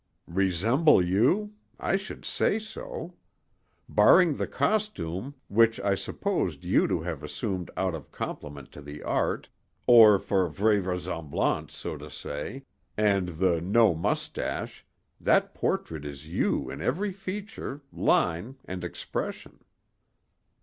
"Resemble you? I should say so! Barring the costume, which I supposed you to have assumed out of compliment to the art—or for vraisemblance, so to say—and the no mustache, that portrait is you in every feature, line, and expression."